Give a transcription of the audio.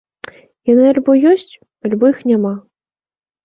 Яны альбо ёсць, альбо іх няма.